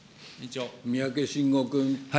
三宅伸吾君。